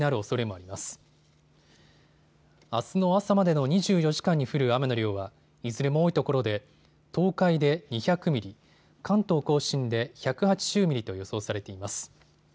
あすの朝までの２４時間に降る雨の量はいずれも多いところで東海で２００ミリ、関東甲信で１８０ミリと予想されています。